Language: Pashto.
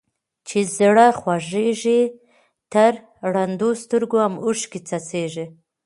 چي زړه خوږيږي تر ړندو سترګو هم اوښکي څڅيږي.